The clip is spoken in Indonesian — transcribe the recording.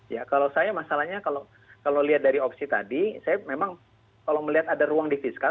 ya kalau saya masalahnya kalau lihat dari opsi tadi saya memang kalau melihat ada ruang di fiskal